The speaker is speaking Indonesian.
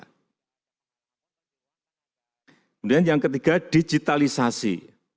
kemudian yang ketiga digitalisasi